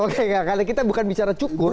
oke kalau kita bukan bicara cukur